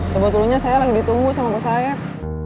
sebetulnya saya lagi ditunggu sama bos saeb